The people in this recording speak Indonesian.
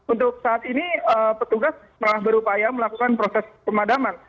untuk saat ini petugas berupaya melakukan proses pemadaman